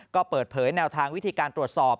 ก็เปิดเผยแนวทางวิธีการตรวจสอบ